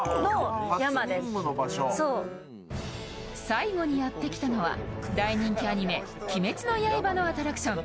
最後にやってきたのは大人気アニメ「鬼滅の刃」のアトラクション